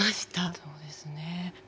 そうですね。